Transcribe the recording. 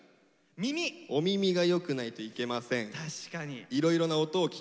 お耳が良くないといけません。